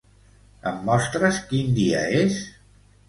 Em mostres quin dia és?